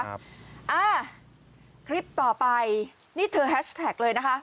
อ่าคลิปต่อไปนี่เธอแฮชแท็กเลยนะคะ